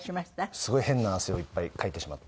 すごい変な汗をいっぱいかいてしまって。